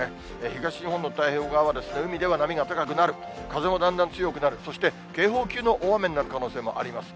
東日本の太平洋側は、海では波が高くなる、風もだんだん強くなる、そして、警報級の大雨になる可能性もあります。